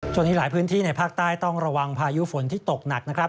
หลายพื้นที่ในภาคใต้ต้องระวังพายุฝนที่ตกหนักนะครับ